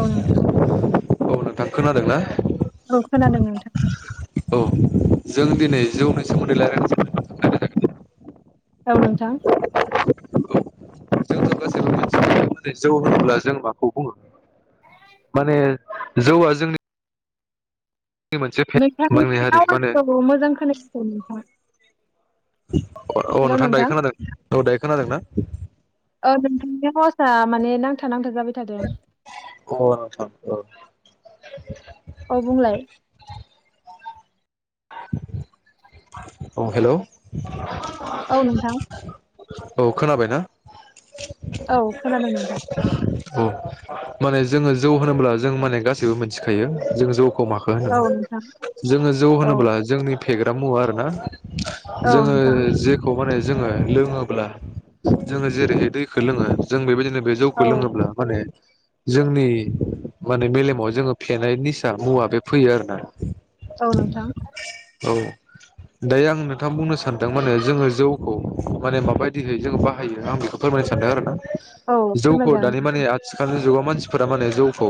औ नोथां। औ नोंथां खोनादों ना? औ खोनादों नोंथां औ जों दिनै जौनि सोमोन्दै रायज्लायनोसै औ नोंथां सानदों औ जोंथ' गासैबो मिथिखायो जौ होनोब्ला जों माखौ बुङो? माने जौआ जोंनि मोपनसे फेग नोंथांनि हारि माहोनो आवाजखौ मोजां खोनायाखै नोंथां औ नोंथां दायो खोनादों औ दायो खोनादोंना? औ नोंथांनि आवउसा माने नांथा नांथा जाबाय थादों औ नोंथा औ। औ बुंलाय औ हेल' औ नोंथां औ खोनाबाय ना औ खोनादों नोंथां औ माने जोङो जौ होनोब्ला जों माने गासैबो मिथिखायो जों जौ माखौ होनो। औ नोंथां जोङो जौ औ होनोब्ला जोंनि फेग्रा मुवा आर ना औ जोङो नोंथां जेखौ माने जोङो लोङोब्ला जोङो जेरैहाय दैखौ लोङो जों बेबायदिनो बे औ जौखौ लोङोब्ला माने जोंनि माने मेलेमाव जोङो फेनाय निसा मुवा बे फैयो आरोना औ नोथां। औ दायो आं नोंथां बुंनो सानदों माने जोङो जौखौ माने माबायदिहै जोङो बाहायो आं बेखौ फोर सानदों आरोना औ जौखौ फोरमायजागोन दानि माने नोंथां आथिखालनि जुगाव मानसिफोरा माने जौखौ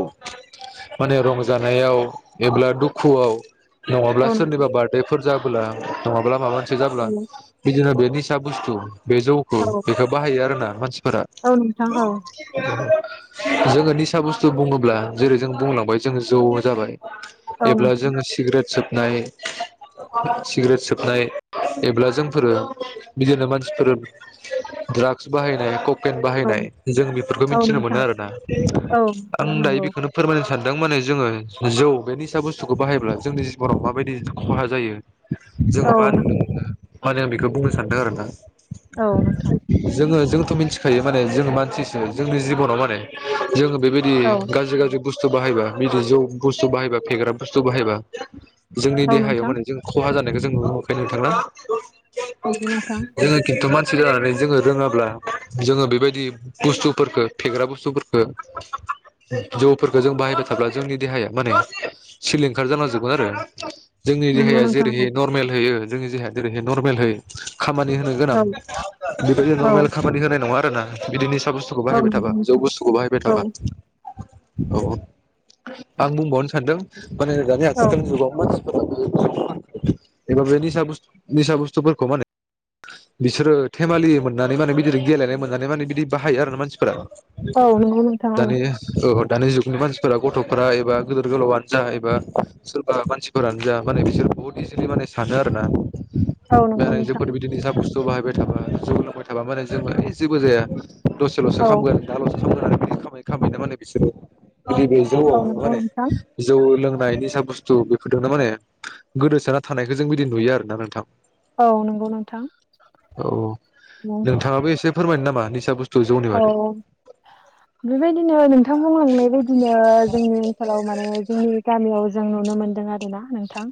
माने रंजानायाव एब्ला दुखुआव न औ नोंथां सोरनिबा बार्डेफोर जाब्ला नङाब्ला माबा मोनसे जाब्ला बिदिनो बे निसा बुस्थ बे जौखौ औ बेखौ बाहायो आरोना मानसिफोरा। औ नोंथां औ जोङो निसा बुस्थु बुङोब्ला जेरै जों बुंलांबाय जों औआ जाबाय। औ एब्ला नोंथां जोङो सिगारेट सोबनाय सिगारेट सोबनाय एब्ला जोंफोरो बिदिनो मानसिफोर दड्राग्स बाहायनाय कक किन औ बाहायनाय जों बेफोरखौ औ मिथिनो मोनो नोंथां आरोना। औ नोंथां आं दायो नंगौ बेखौनो फोरमायनो सान दों माने जोङो जौ बे निसा बुस्थुखौ बाहायोब्ला जोंनि जिबनाव माबायदि खहा जायो औ जोङो मा होन माने आं बेखौ बुंनो सानदों आरोना औ नोंथां मिन्थिखायो माने जों मानसिसो जोंनि जिबनाव माने जोङो बेबायदि औ गाज्रि गाज्रि बुस्थु बाहायबा बिदि जौ बुस्थु बाहायबा फेग्रा बुस्थु बाहायबा जोंनि औ देहायाव नोंथां माने जों खहा जानायखौ जों नुनो मोनखो नोंथां ना। नंगौ ना नोंथा। सि दानानै जोङो रोङाब्ला जोङो बेबायदि बुस्थुफोरखौ फेग्रा बुस्थुफोरफोरखौ जौफोरखौ जों बाहायबाय थाब्ला जोंनि देहाया माने सिलिंखार जालांजोबगोन आरो जोंनि नंगौ देहाया नोंथां औ जेरैहोयो नरमेल होयो जोंनि देहाया जेरैहोयो‌ नरमेल होयो। खामानि होनो गोनां बेबायदि औ नरमेल खामानि होनाय नङा आरोना बिदिनो जौ‌ बुस्थुखौ औ बाहायबाय थाबा नंगौ जौ नोंथां बुस्थुखौ बाहायबाय थाबा औ औ आं बुंबावनो सानदों माने दानि आथिखालनि जुगाव मानसिफोरा [inaudible] एबा बे निसा बुस्थ निसा बुस्थुफोरखौ माने बिसोरो थेमालि मोननानै माने बिदिनो गेलेनाय मोननानै माने बिदि बाहायो आरो ना मानसिफोरा औ नंगौ नोंथां दानि औ दानि जुगनि मानसि सोरबा गथ'फोरा एबा गिदोर गोलावयानो जा एबा सोरबा मानसि फोरानो जा माने बिसोर बहुत इजिलि माने सानो आरोना औ बे नंगौ नोंथां आजेंफोर बिदिनोसा बुस्थु द बाहायबाय थाबा जौ लांबाय थाबा माने जोंबो जेबो जाया दसेल'सो औ खामगोन दालसो जौ गोरान खामै - खामै माने बिसोरो नैबे जौआव नंगौ माने नोंथां जौ लों नाय निसा बुस्थु बेफोरजोंनो माने गोदोसोना थानायखौ जों बिदि नुयो आरोना नोंथां औ नंगौ नोंथां औ नोंथाङाबो एसे फोरमायनो नामा निसा बुस्थु जौनि औ बादै बेबायदिनो नोंथां बुंलांनाय बायदिनो जोंनि ओनसोलाव माने जोंनि गामियाव जों नुनो मोनदों आरोना नोंथां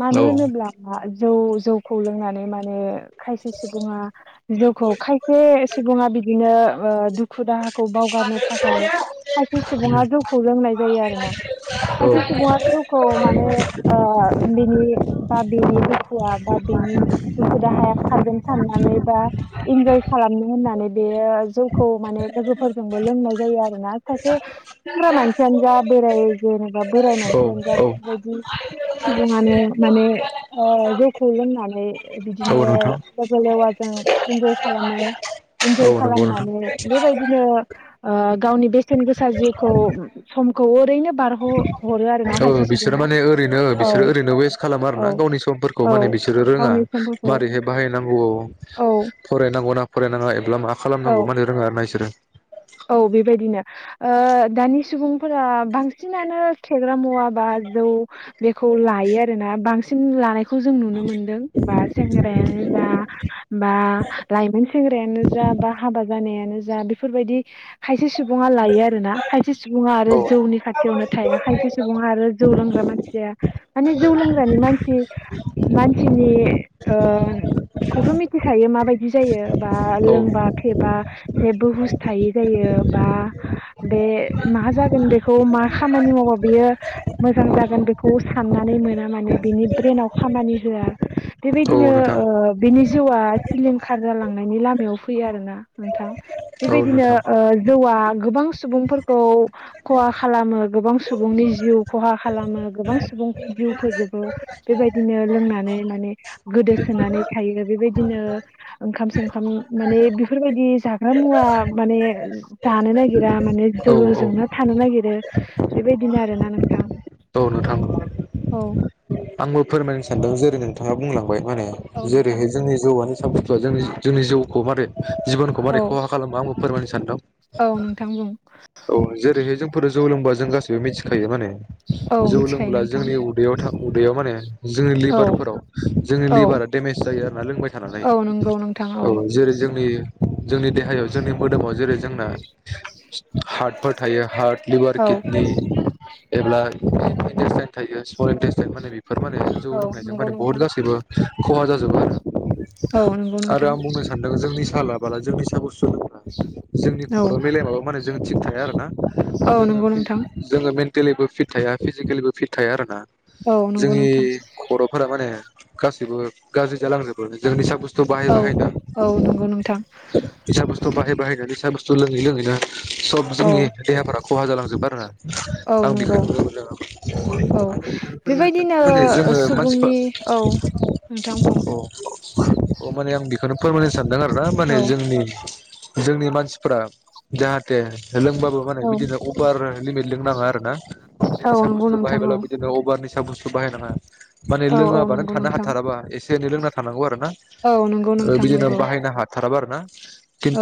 मानो औ होनोब्ला जौ जौखौ लोंनानै माने खायसे सुबुङा जौखौ खायसे सुबुङा बिदिनो दुखु दुखु - दाहाखौ बावगारनो थाखाय खायख सुबुङा जौखौ लोंनाय जायो आरो ना। खायसे सुबुङा जौखौ माने ओ बेनि बा बेनि दुखुआ बा बेनि दुखु -दाहाया खारगोन साननानै बा इन्जय खालामनो होननानै बेयो जौ खौ माने लोगोफोरजोंबो लोंनाय जायो आरो ना सासे सेंग्रा मानसियानो जा बेराय जे बोराय औ मानसिआनो जा बेबायदि सुबुङानो माने ओ जौखौ लोंनानै औ बिदिनो नोंथां लेब लेवाजों इन्जय खालामो औ इन्जय नंगौ नोंथां खालामनानै बेबायदिनो गावनि बेसेन गोसा जिउखौ समखौ ओरैनो बारग औ बिसोरो माने ओरैनो औ बिसोरो ओरैनो वेस्ट खालामो औ आरोना गावनि समफोरखौ औ माने बिसोरो रोङा गावनि समफोरखौ मारैहाय बाहायनांगौआव औ फरायनांगौ ना फरायनाङा एब्ला मा औ खालामनांगौ माने रोंया आरो ना बिसोरो औ बेबायदिनो ओ दानि सुबुंफोरा बांसिनानो फे फेग्रा मुवा बा जौ बेखौ लोयो आरोना बांसिन लानायखौ जों खौ जों नुनो मोनदों बा सेंग्रायानो जा बा लाइमोन सेंग्रायानो जा बा हाबा जानायानो जा बेफोरबायदि खायसे सुबुङा लायो आरो ना खायसे सुबुङा आरो औ जौनि खाथियावनो थाया खायसे सुबुङा आरो जौ लोंग्रा मानसि मानसिया माने जौ लोंग्रानि मानसि मानसिनि ओ खौथ' मिथिखायो माबायदि बिदि जायो बा औ लोंबा फेबा जेबो हुस थायि जायो बा बे मा जागोन बेखौ मा खामानि मावबा बेयो मोजां जागोन बेखौ साननानै मोना माने बिनि ब्रेनाव खामानि होआ औ बेबायदिनो नोंथां ओ बिनि जिउआ सिलिंखार जालांनायनि लामायाव फैयो आरो ना नोंथां। औ बेबायदिनो नोंथां ओ जौआ गोबां सुबुंफोरखौ खहा खालामो गोबां सुबुंनि जिउ खहा खालामो गोबां सुबुंखौ जिउ फोजोबो बेबायदिनो लोंनानै माने गोदो सोनानै थायो बेबायदिनो ओंखाम सोंखाम माने बेफोरबायदि जाग्रा मुवा माने जानो नागिरा माने औ औ जौजोंनो थानो नागिरो बेबायदिनो आरोना नोंथां औ नोंथां औ आंबो फोरमायनो सानदों जेरै नोंथाङा बुंलांबाय माने औ नोंथां जेरैहाय जोंनि जौआनो ससा बुथुआ जों जोंनि जौखौ मारै जिबनखौ औ मारै खहा खालामो आंबो फोरमायनो सानदों औ नोंथां बुं औ जेरैहाय जोंफोर जौ लोंब्लाा जों गासैबो मिथिखायो माने औ जौ मिथिखायो लोंब्ला नोंथां जोंनि उदैयाव थां उदैयाव माने जोंनि औ लिभारफोराव जोंनि औ लिभारा डेमेज जायो आरोना लोंबाय थानानै औ नंगौ नोंथां औ जेरै जोंनि जोंनि देहायाव जोंनि मोदोमाव जेरै जोंना हार्टफोर थायोायो हार्ट लिभार औ किथनि जेब्लाइन थायो सन मान बेफोर माने जौ औ लोंनायजों नंगौ माने बहुत नोंथां गासैबो खहा जाजोबो औ आरो। नंगौ आरो नोंथां आं बुंनो सानदों जोंनि फिसा लाबोला जोंनि साागर सुरफ्रा जोंनि औ खर' मिलाय माबा मे जों थिग थाया आरो ना औ जोङो नंगौ नोंथां जोङो मेन्टेलिबो फिट थाया फिजिकेलिबो फिट थाया आरोना। औ नंगौ जोंनि नोंथां खर'फोरा माने गासैबो गाज्रि जालांजोबो जों निसा बुस्थु बाहाय औ बाहायनो औ नंगौ नोंथां बि बुस्थु बाहाय बाहायना बि बुस्थु लोंङहै लोंङै सब औ जोंनि देहाफोरा खहा जालांजोब आरोना औ आं नंगौ बेखौनो औ फोरमायनो सानदों बेबायदिनो मानै जोङो मानसिफ्रा सुबुंनि औ नोंथां बुं अ अ माने आं बेखौनो फोरमायनो सानदों आरोना माने औ जोंनि जोंनि मानसिफ जाहाथे लोंबाबो माने औ बिदिनो अभार लिमिट लोंनाङा आरो ना औ निसा नंगौ नोंथां बाहायब औ बिदि निसा बुस्थु बाहायनाङा माने औ औ लोङाबानो नंगौ थानो नोंथां हाथाराबा एसे एनै लोंना थानांगौ आरो। औ नंगौ नोंथां बिदिनो नंगौ बाहायनो हाथाराबा आरो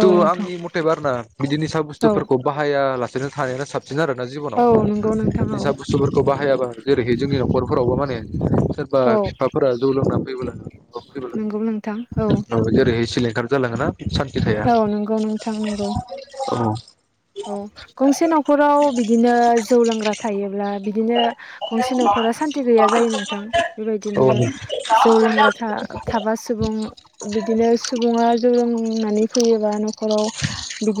औ नोंथां आंनि मथेब आरो ना बिदिनिसा औ बुस्थुफोरखौ बाहाया लासे बिदिनो थानाया साबसिन आरोोना जिबनाव औ नंगौ नोंथां औ निसा बुस्थुफोरखौ बाहायाबा जेरैहाय जोंनि न'खरफोरावबो माने सोरबा औ बिफाफोरा जौ लोंना फैबोला मा फैला नंगौ नोंथां औ जेर सिलेंखार जलाांगोना सान्थि थाया औ नंगौ नोंथां नंगौ औ औ गंसे न'खराव बिदिनो जौ लोंग्रा थायोब्ला बिदिनो गंसे न'खरा सान्थि गैया जायो नोंथां बेबायदिनो जौ लोंग्रा था थाबा सुबुं बिदिनो सुबुङा जौ लोंनानै फैयोबा न'खराव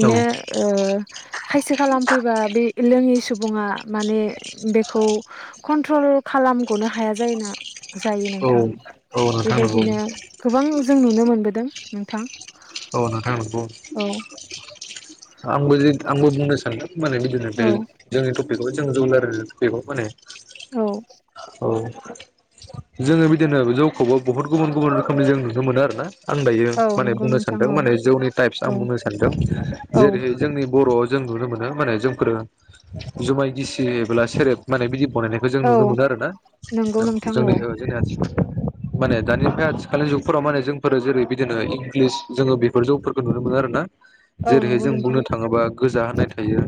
औ ओ खायसे खालामफैबा बे लोङि सुबुङा माने बेखौ कन्ट्रल खालामग'नो हाया जायोना। जायो औ नोंथां औ नोंथां नंगौ बेबायदिनो गोबां जों नुनो मोनबोदों नोंथां। औ नोंथां नंगौ औ आंबो आंबो बुंनो सानो माने बिदिनो बे औ जोंनि टपिकआव जों जुलार टपिकआव माने औ औ जोङो बिदिनो जौखौबो बुहुत गुबुन गुबुन रोखोमनि जों नुनो मोनो आरो ना। आं दायो औ माने नंगौ बुंनो नोंथां सानदों औ माने जौनि टाइप्स आं औ बुंनो सानदों औ जेरैहाय जोंनि बर' जों नुनो मोनो माने जोंफोरो जुमाय गिसियोब्ला सेरेब माने बिदि गनायनायखौ जों औ नुनो मोनो आर ना नंगौ नोंथां औ जोंनि जोंनि आसि माने दानि आथिखालनि जुगफोराव माने जोंफोरो जेरै बिदिनो इंलिस जोङो बेफोर जौफोरखौ नुनो मोनो आरो ना औ जेरैहाय नंगौ जों नोंथां बुंनो थाङोबा गोजा होननाय थायो।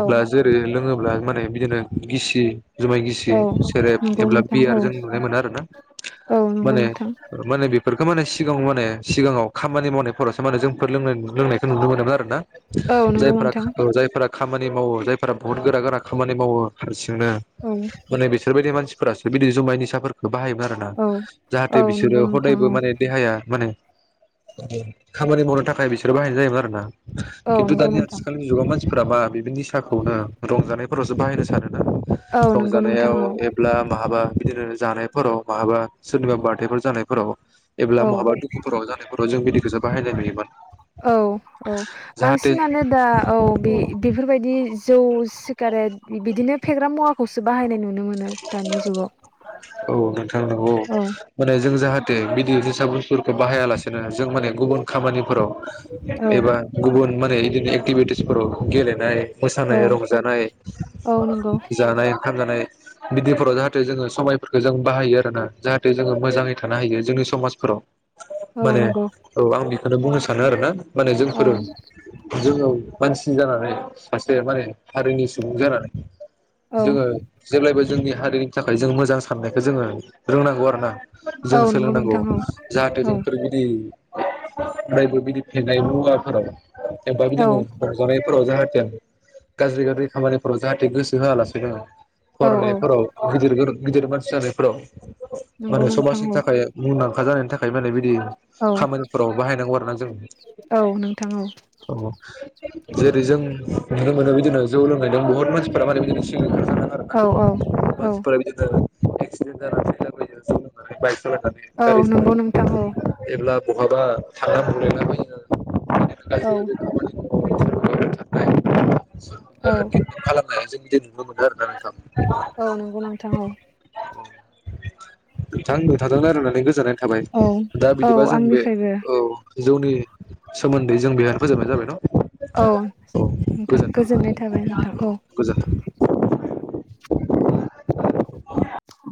औ जेरै लोङोब्ला माने बिदिनो गिसि जुमाय गिसि औ सेरेब नंगौ एब्ला नोंथां बियार औ जों नुनो मोनो आरो ना। औ नंगौ माने नोंथां माने बि बेफोरखौ माने सिगाङाव माने सिगाङाव खामानि मावनायफोरावसो माने जोंफोर लों लोंनायखौ नुनो मोनोमोन आरो ना। औ नंगौ जायफोरा नोंथां जायफोरा खामानि मावो जायफोरा बुहुत गोरा गोरा खामानि मावो हारसिं नो औ माने बिसोरबायदि मानसिफोरासो बि जुमाय निसफोरखौ बाहायोमोन आरोना औ जाहाथे औ बिसोरो नंगौ नोंथां हदायबो औ माने देहाया माने खामानि मावनो थाखाय बिसोरो बाहायनाय जायोमोन आरो ना औ खिन्थु नंगौ दानि नोंथां आथिखालनि जुगाव मान- थिफोराबा बेफोरनि साहखौनो रंजानायफोरावसो बाहायनो सानो। औ नंगौ नोंथां रंजानायाव औ एब्ला बाहाबा बिदिनो जानायफोराव माहाबा सोरनिबा बार्थडेफोर जानायफोराव एब्ला औ बहाबा दुखुफोराव जानायफोराव जों मिडिखौसो बाहायनाय नुयोमोन। औ औ जाहाथे बांसिनानो दा औ बे बेफोरबायदि जौ सिगारेट बिदिनो फेग्रा मुवाखौसो बाहायनाय नुनो मोनो दानि जुगाव औ नोंथां नंगौ औ माने जों जाहाथे बिदि जोसा बुसुफोरखौ बाहायालासेनो जों माने गुबुन खामानि फोराव औ एबा गुबुन माने इदिनो एक्टिभिटिसफोराव गेलेनाय औ मोसानाय रंजानाय औ नंगौ जानाय ओंखाम जानाय बिदिफोराव जाहाथे जोङो समायफोरखौ जों बाहायो आरोना जाहाथे जोङो मोजाङै थानो हायो जोंनि समाजफोराव औ माने नंगौ औ आं बेखौनो बुंनो सानो आरो ना माने औ जोंफोरो जोङो मानसि जानानै सासे माने हारिनि सुबुं जानानै औ जोङो जेब्लायबो जोंनि हारिनि थाखाय जों मोजां साननायखौ जोङो रोंनांगौ आरोना। औ जों नंगौ सोलोंनांगौ नोंथां औ जाहाथे औ जोंफोर बिदि अरायबो बिदि फेनाय मुवाफोराव एबा औ बिदिनो रंजानायफोराव जाहाथे गाज्रि गाज्रि खामानिफोराव जाहाथे गोसो होआलासेनो औ औ फरायनायफोराव गिदिर गिदिर मानसि जानायफोराव नंगौ माने नोंथां समाजनि औ थाखाय मुंदां खा जानायनि थाखाय माने बिदि औ खामानिफोराव बाहायनांगौ आरो ना जों। औ नोंथां औ। औ जेरै जों नुनो मोनो बिदिनो जौ लोंनायजों बहुत मानसिफोरा माने बिदिनो सिलिंखार आरो औ औ औ मानसिफोरा इदिनो एक्सिडेन्ट जानानै थैलाबायो जौ लोंनानै बाइक औ नंगौ नोंथां औ [unintelligible] बहाबा थांना औ औ [unintelligible] [unintelligible] औ नंगौ नोंथां औ ‌। [inaudible] नोंथां नोंथांजों रायलायनानै गोजोननाय थाबाय औ दा औ बिदिबा जों बे आंनिफ्रायबो औ जौनि सोमोन्दै जों बेहायनो फोजोबनाय जाबाय न'। औ नोंथां गोजोन्थों गोजोननाय थाबाय नोंथां औ। गोजोन्थों।